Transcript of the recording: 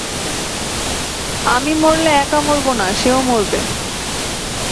আমি মরলে একা মরব না, সেও মরবে!